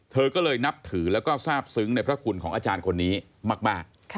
เธอก็เลยนับถือแล้วก็ทราบซึ้งในพระคุณของอาจารย์คนนี้มาก